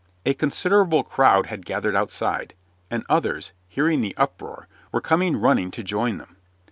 A considerable crowd had gathered outside, and others, hearing the uproar, were coming running to join them.